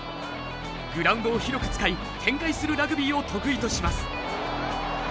グラウンドを広く使い展開するラグビーを得意とします。